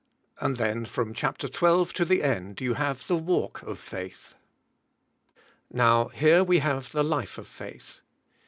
And then from Chap. 12 to the end you have the walk oj faith. Now, here we have the life of faith.